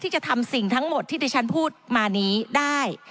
จะทำสิ่งทั้งหมดที่ดิฉันพูดมานี้ได้